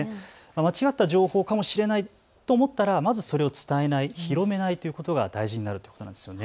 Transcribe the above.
間違った情報かもしれないと思ったらまずそれを伝えない、広めないということが大事になるということなんです。